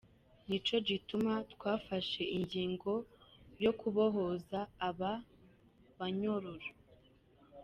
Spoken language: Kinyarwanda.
Nico gituma twafashe ingingo yo kubohoza aba banyororo".